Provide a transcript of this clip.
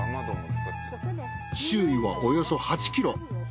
周囲はおよそ８キロ。